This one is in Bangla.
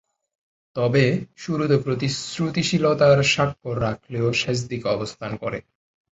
তবে, শুরুতে প্রতিশ্রুতিশীলতার স্বাক্ষর রাখলেও শেষদিকে অবস্থান করে।